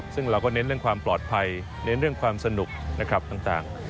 ซึ่งเราก็เน้นเรื่องความปลอดภัยเน้นเรื่องความสนุกนะครับต่าง